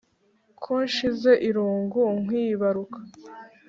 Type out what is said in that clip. Ko nshize irungu nkwibaruka